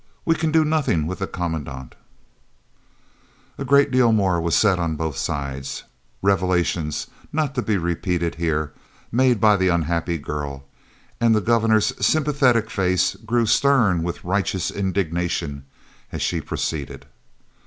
We can do nothing with the Commandant " A great deal more was said on both sides, revelations, not to be repeated here, made by the unhappy girl, and the Governor's sympathetic face grew stern with righteous indignation as she proceeded.